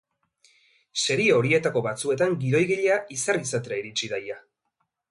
Serie horietako batzuetan gidoigilea izar izatera iritsi da ia.